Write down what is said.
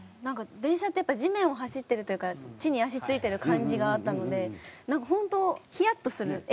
なんか電車ってやっぱ地面を走ってるというか地に足ついてる感じがあったのでなんかホントヒヤッとする。